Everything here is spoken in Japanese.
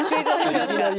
いきなり。